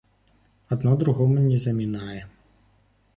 Адно другому не замінае.